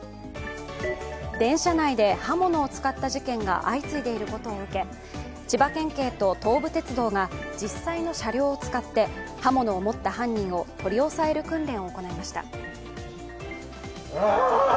電車内で刃物を使った事件が相次いでいることを受け千葉県警と東武鉄道が実際の車両を使って刃物を持った犯人を取り押さえる訓練を行いました。